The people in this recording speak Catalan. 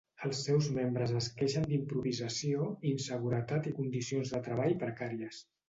Els seus membres es queixen d'improvisació, inseguretat i condicions de treball precàries.